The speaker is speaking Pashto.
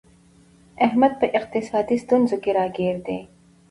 احمد په اقتصادي ستونزو کې راگیر دی